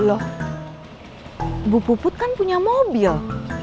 loh bu puput kan punya mobil